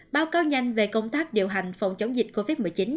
báo cáo nhanh về công tác điều hành phòng chống dịch covid một mươi chín